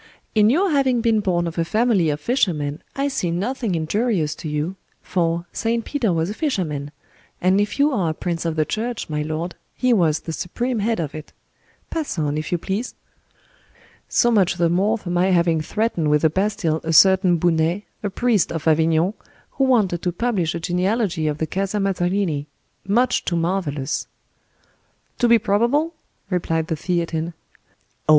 "In your having been born of a family of fishermen I see nothing injurious to you; for—St. Peter was a fisherman; and if you are a prince of the church, my lord, he was the supreme head of it. Pass on, if you please." "So much the more for my having threatened with the Bastile a certain Bounet, a priest of Avignon, who wanted to publish a genealogy of the Casa Mazarini much too marvelous." "To be probable?" replied the Theatin. "Oh!